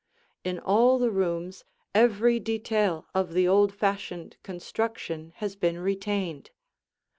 In all the rooms every detail of the old fashioned construction has been retained.